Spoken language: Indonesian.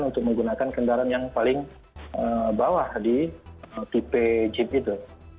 untuk menggunakan kendaraan yang paling bawah di tipe jeep itu